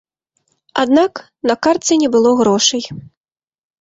Аднак на картцы не было грошай.